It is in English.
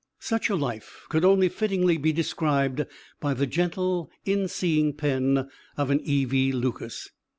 Such a life could only fittingly be described by the gentle, inseeing pen of an E. V. Lucas.